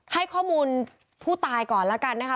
ให้ข้อมูลผู้ตายก่อนแล้วกันนะคะ